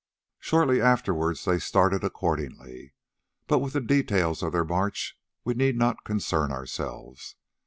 Shortly afterwards they started accordingly, but with the details of their march we need not concern ourselves.